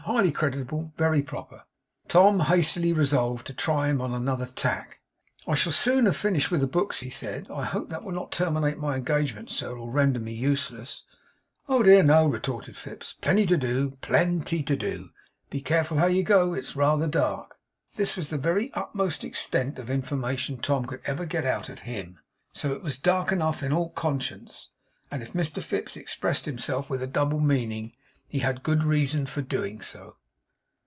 'Highly creditable. Very proper.' Tom hastily resolved to try him on another tack. 'I shall soon have finished with the books,' he said. 'I hope that will not terminate my engagement, sir, or render me useless?' 'Oh dear no!' retorted Fips. 'Plenty to do; plen ty to do! Be careful how you go. It's rather dark.' This was the very utmost extent of information Tom could ever get out of HIM. So it was dark enough in all conscience; and if Mr Fips expressed himself with a double meaning, he had good reason for doing so.